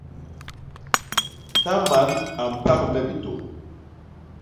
Ta man a mpak me bitôñ.